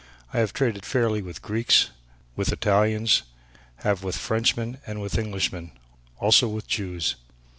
I have traded fairly with Greeks, with Italians, have with Frenchmen and with Englishmen, also with Jews.